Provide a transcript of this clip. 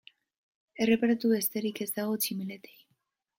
Erreparatu besterik ez dago tximeletei.